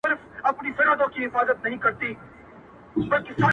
پلار ورو ورو کمزوری کيږي ډېر,